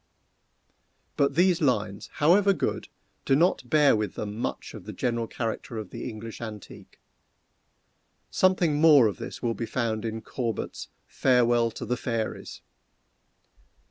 But these lines, however good, do not bear with them much of the general character of the English antique. Something more of this will be found in Corbet's "Farewell to the Fairies!"